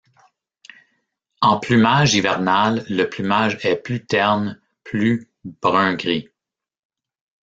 En plumage hivernal, le plumage est plus terne, plus brun-gris.